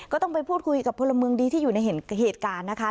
ก็ต้องไปพูดคุยกับพลเมืองดีที่อยู่ในเหตุการณ์นะคะ